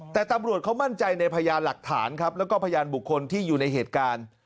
แต่ตำรวจเขามั่นใจในพยานหลักฐานครับแล้วก็พยานบุคคลที่อยู่ในเหตุการณ์